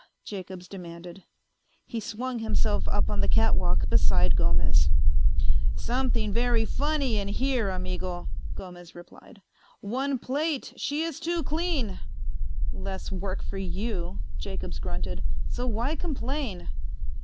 Jacobs demanded. He swung himself up on the catwalk beside Gomez. "Something very funny in here, amigo," Gomez replied. "One plate she is too clean." "Less work for you," Jacobs grunted. "So why complain?"